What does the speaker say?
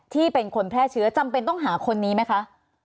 ที่เป็นคนแพร่เชื้อจำเป็นต้องหาคนนี้ไหมคะ